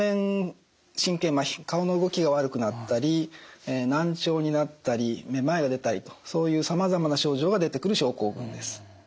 顔の動きが悪くなったり難聴になったりめまいが出たりとそういうさまざまな症状が出てくる症候群です。